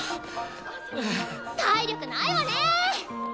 体力ないわね。